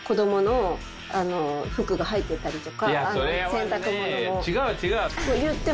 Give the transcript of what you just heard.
洗濯物も。